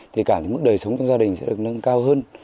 thì cả mức đời sống trong gia đình sẽ được nâng cao hơn